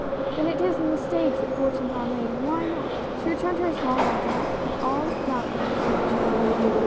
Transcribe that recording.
Then it is on the stage that fortunes are made, and why not ?" She returned to her small lodgings, and all about her seemed changed.